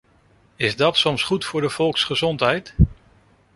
Is dat soms goed voor de volksgezondheid?